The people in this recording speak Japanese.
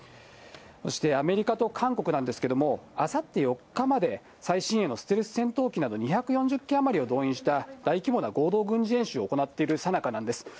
そしてアメリカと韓国なんですけれども、あさって４日まで、最新鋭のステルス戦闘機など２４０機余りを動員した大規模な合同軍事演習を行っているさなかなんです。